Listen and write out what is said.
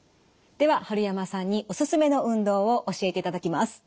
では春山さんにおすすめの運動を教えていただきます。